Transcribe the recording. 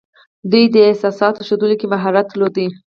دوی د احساساتو ښودلو کې مهارت درلود